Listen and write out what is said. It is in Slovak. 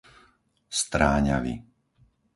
Stráňavy